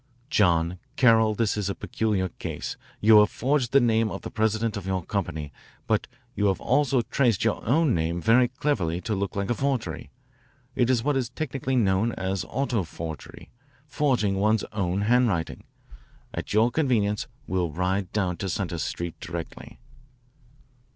John Carroll, this is a peculiar case. You have forged the name of the president of your company, but you have also traced your own name very cleverly to look like a forgery. It is what is technically known as auto forgery, forging one's own handwriting. At your convenience we'll ride down to Centre Street directly."